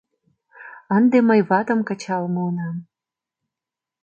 — Ынде мый ватым кычал муынам!